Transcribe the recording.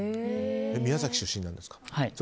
宮崎出身なんですか。